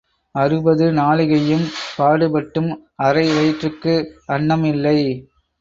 அறுபது நாழிகையும் பாடுபட்டும் அரை வயிற்றுக்கு அன்னம் இல்லை.